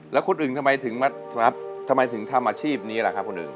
แล้วคุณอึงทำไมถึงทำอาชีพนี้ล่ะครับคุณอึง